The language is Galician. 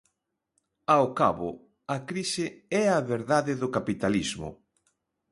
Ao cabo, a crise é a verdade do capitalismo.